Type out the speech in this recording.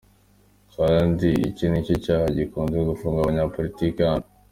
Kandi icyo ni cyo cyaha gikunze gufunga abanyapolitike hano.